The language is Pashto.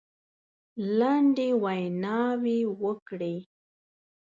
لنډې ویناوي وکړې.